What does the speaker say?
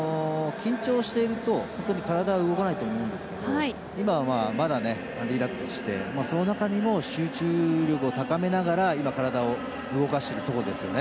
緊張してると、ほんとに体は動かないと思うんですけど今は、まだリラックスしてその中にも集中力を高めながら今、体を動かしていると思うんですよね。